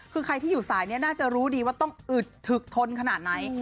คือใครที่อยู่สายนี้น่าจะรู้ดีว่าต้องอึดถึกทนขนาดไหน